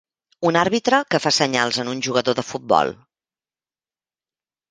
Un àrbitre que fa senyals en un jugador de futbol.